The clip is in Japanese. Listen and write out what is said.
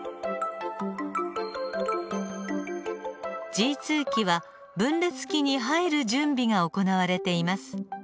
Ｇ期は分裂期に入る準備が行われています。